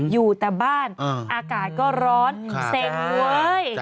อยู่แต่บ้านอากาศก็ร้อนเซ็งเว้ย